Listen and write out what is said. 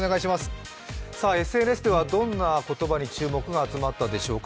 ＳＮＳではどんな言葉に注目が集まったでしょうか？